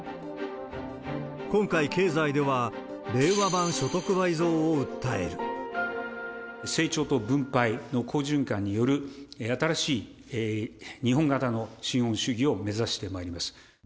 今回、成長と分配の好循環による、新しい日本型の資本主義を目指してまいります。